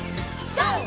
ＧＯ！